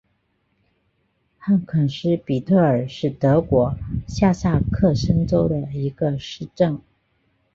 汉肯斯比特尔是德国下萨克森州的一个市镇。